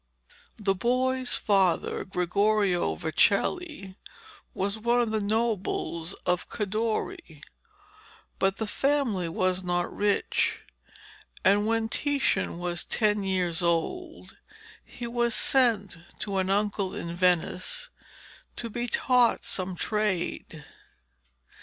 The boy's father, Gregorio Vecelli, was one of the nobles of Cadore, but the family was not rich, and when Titian was ten years old he was sent to an uncle in Venice to be taught some trade.